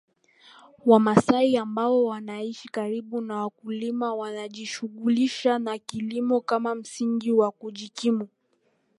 Wamasai ambao wanaishi karibu na wakulima wanajishughulisha na kilimo kama msingi wa kujikimu